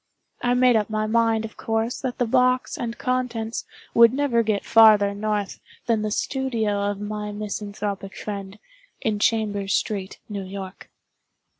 I made up my mind, of course, that the box and contents would never get farther north than the studio of my misanthropic friend, in Chambers Street, New York.